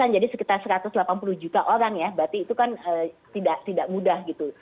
jadi sekitar satu ratus delapan puluh juta orang ya berarti itu kan tidak mudah gitu